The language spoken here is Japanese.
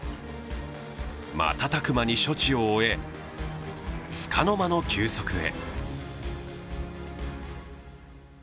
瞬く間に処置を終え、つかの間の休息へ。